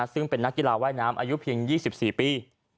ซึ่งเป็นนักกีฬาว่ายน้ำอายุเพียง๒๔ปี